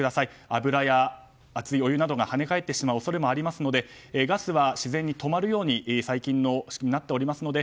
油や熱いお湯などがはね返ってしまう恐れもありますのでガスは自然に止まるように最近のものは仕組みがなっていますので